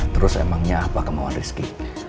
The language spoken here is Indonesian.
terus emangnya apa kemauan rizky